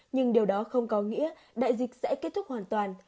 nhưng điều đó không có nghĩa đại dịch sẽ kết thúc hoàn toàn